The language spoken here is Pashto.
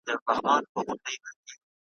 د بوډا پر اوږو غبرګي د لمسیو جنازې دي `